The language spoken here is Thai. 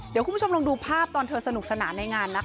เดี่ยวคุณผู้ชมลองดูภาพต่อดิฉิงเปอร์สนุกศนาในงานนะคะ